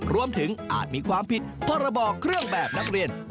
รวมถึงอาจมีความผิดพระบอกเครื่องแบบนักเรียน